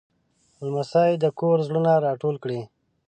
لمسی د کور زړونه راټول کړي.